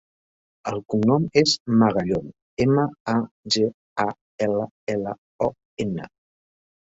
El cognom és Magallon: ema, a, ge, a, ela, ela, o, ena.